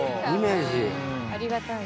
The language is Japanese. ありがたい。